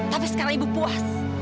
tapi sekarang ibu puas